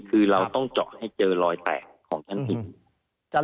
คือเราต้องเจาะให้เจอรอยแตกของกิ่ง